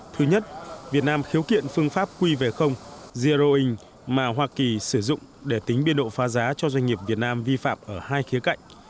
thứ nhất việt nam khiếu kiện phương pháp qv zeroing mà hoa kỳ sử dụng để tính biên độ phá giá cho doanh nghiệp việt nam vi phạm ở hai khía cạnh